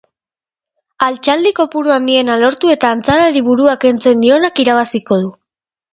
Altxaldi kopuru handiena lortu eta antzarari burua kentzen dionak irabaziko du.